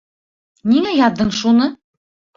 Ниңә яҙҙың шуны?